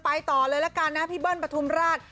ต่อเลยละกันนะพี่เบิ้ลปฐุมราช